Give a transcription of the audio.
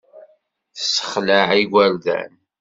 Tessexleɛ igerdan.